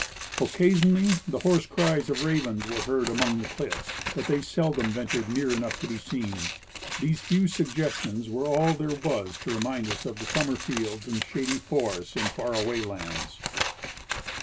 Occasionally the hoarse cries of ravens were heard among the cliffs, but they seldom ventured near enough to be seen. These few suggestions werp all there was to remind us of the summer fields and shady forests in far away lands.